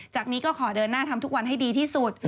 นี้ก็ขอเดินหน้าทำทุกวันให้ดีที่สุด